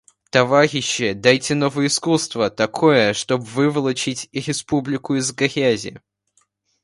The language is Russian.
Товарищи, дайте новое искусство — такое, чтобы выволочь республику из грязи.